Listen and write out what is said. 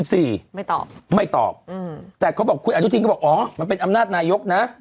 ไม่ตอบไม่ตอบแต่เขาบอกคุณอนุทินก็บอกอ๋อมันเป็นอำนาจนายกนะ